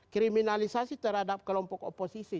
kriminalisasi terhadap kelompok oposisi